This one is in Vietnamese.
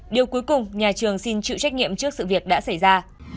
điều cuối cùng nhà trường xin chịu trách nhiệm trước sự việc đã xảy ra